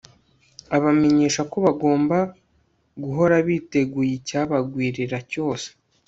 abamenyesha ko bagomba guhora biteguye icyabagwirira cyose